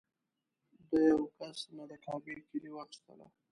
د یوه کس نه د کعبې کیلي واخیستله.